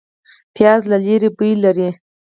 پیاز له لرې بوی لري